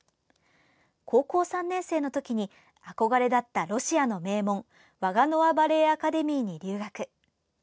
高校３年生のときに憧れだったロシアの名門ワガノワ・バレエ・アカデミーに留学。